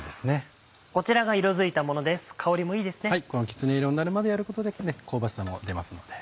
きつね色になるまでやることで香ばしさも出ますので。